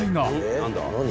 何だ？